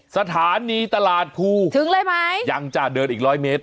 สถานีตลาดภูถึงเลยไหมยังจะเดินอีกร้อยเมตร